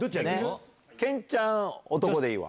健ちゃん男でいいわ。